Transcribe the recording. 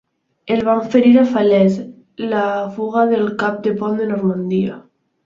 El van ferir a Falaise en la fuga del cap de pont de Normandia.